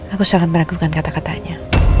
aku sangat meragukan kata katanya